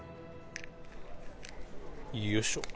よいしょ。